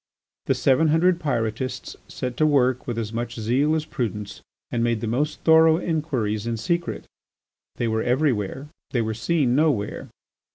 The seven hundred Pyrotists set to work with as much zeal as prudence, and made the most thorough inquiries in secret. They were everywhere; they were seen nowhere.